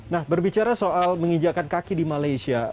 nah berbicara soal menginjakan kaki di malaysia